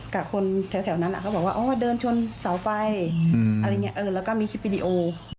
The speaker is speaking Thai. กับคนแถวนั้นเขาบอกว่าอ๋อเดินชนเสาไฟอะไรอย่างนี้แล้วก็มีคลิปวิดีโอ